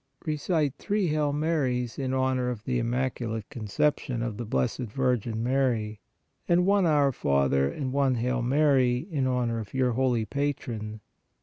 (Recite three Hail Marys in honor of the Im maculate Conception of the Blessed Virgin Mary, and one Our Father and one Hail Mary in honor of your holy Patron.